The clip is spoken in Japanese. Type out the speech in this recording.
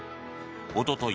おととい